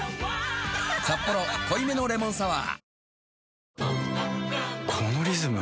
「サッポロ濃いめのレモンサワー」